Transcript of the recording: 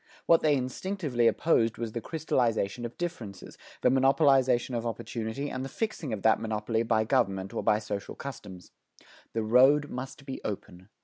What they instinctively opposed was the crystallization of differences, the monopolization of opportunity and the fixing of that monopoly by government or by social customs. The road must be open.